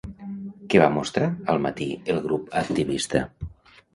Què va mostrar al matí el grup activista?